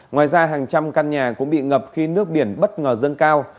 ngoài ra hàng trăm căn nhà cũng bị ngập khi nước biển bất ngờ dâng cao